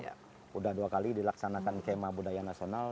sudah dua kali dilaksanakan kema budaya nasional